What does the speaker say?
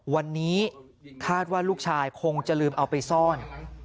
วันนี้คาดว่าลูกชายคงจะลืมเอาไปซ่อน